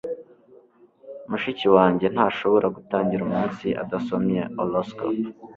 mushiki wanjye ntashobora gutangira umunsi adasomye horoscope